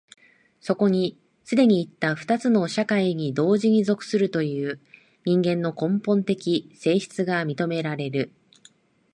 そこに既にいった二つの社会に同時に属するという人間の根本的性質が認められる。